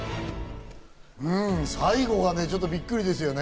最後がね、ちょっとびっくりですよね。